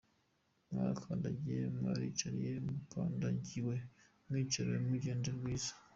Mwarakandagiye, mwaricariye, mukandagiwe mwicariwe, mugende rwiza.